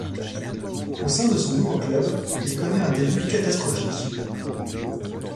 Au sein de son nouveau club, il connait un début catastrophique.